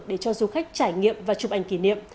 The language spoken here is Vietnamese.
để cho du khách trải nghiệm và chụp ảnh kỷ niệm